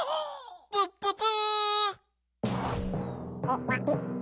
プッププ！